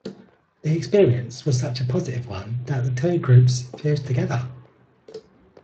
The experience was such a positive one that the two groups fused together.